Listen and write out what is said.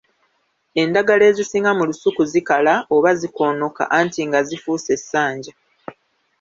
Endagala ezisinga mu lusuku zikala oba zikoonoka anti nga zifuuse essanja.